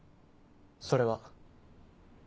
それは。